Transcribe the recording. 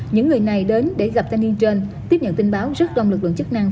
những người này đến để gặp thanh niên trên tiếp nhận tin báo rất đông lực lượng chức năng